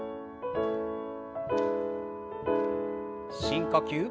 深呼吸。